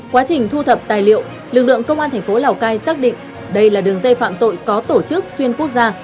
quá trình thu thập tài liệu lực lượng công an thành phố lào cai xác định đây là đường dây phạm tội có tổ chức xuyên quốc gia